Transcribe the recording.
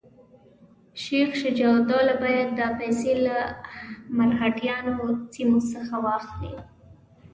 شجاع الدوله باید دا پیسې له مرهټیانو سیمو څخه واخلي.